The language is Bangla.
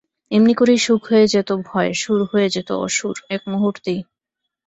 এমনি করেই সুখ হয়ে যেত ভয়, সুর হয়ে যেত অসুর, এক মুহুর্তেই।